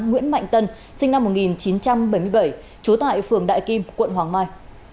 nguyễn mạnh tân sinh năm một nghìn chín trăm bảy mươi bảy trú tại phường đại kim quận hoàng mai